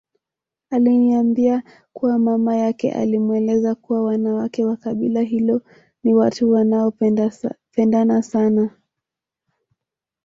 Aliniambia kuwa mama yake alimweleza kuwa wanawake wa kabila hilo ni watu wanaopendana sana